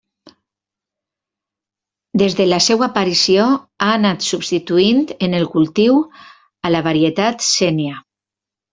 Des de la seua aparició, ha anat substituint en el cultiu a la varietat Sénia.